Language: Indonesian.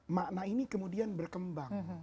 makna ini kemudian berkembang